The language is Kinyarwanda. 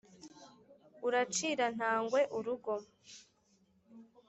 uracira ntagwe urugo